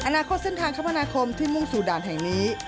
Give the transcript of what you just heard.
อนาคตเส้นทางคมนาคมที่มุ่งสู่ด่านแห่งนี้